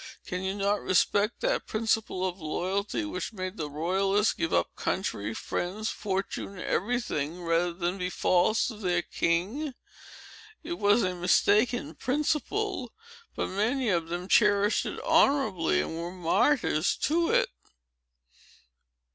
Can you not respect that principle of loyalty, which made the royalists give up country, friends, fortune, every thing, rather than be false to their king? It was a mistaken principle; but many of them cherished it honorably, and were martyrs to it."